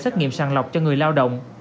xét nghiệm sàng lọc cho người lao động